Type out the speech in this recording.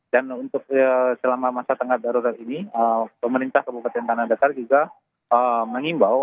dan untuk selama masa tanggap darurat ini pemerintah kabupaten tanah dater juga mengimbau